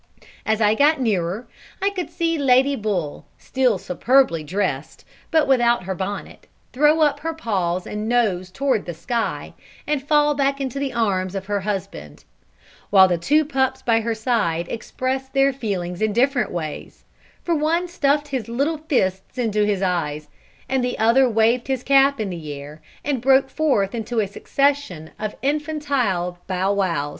As I got nearer, I could see Lady Bull, still superbly dressed, but without her bonnet, throw up her paws and nose towards the sky, and fall back into the arms of her husband; while the two pups by her side expressed their feelings in different ways; for one stuffed his little fists into his eyes, and the other waved his cap in the air, and broke forth into a succession of infantile bow wows.